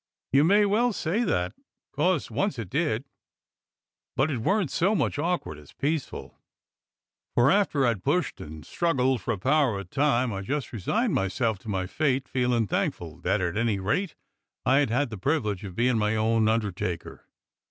"You may well say that, 'cos once it did. But it 174 DOCTOR SYN weren't so much awkward as peaceful, for after I'd pushed and struggled for a power o' time, I just resigned myself to my fate, feelin' thankful that at any rate I had had the privilege of bein' my own undertaker.